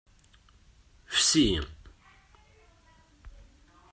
Fsi.